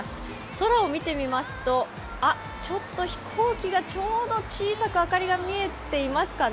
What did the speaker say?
空を見てみますとちょっと飛行機がちょうど小さく明かりが見えていますかね。